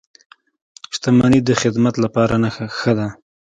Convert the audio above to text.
• شتمني د خدمت لپاره ښه ده.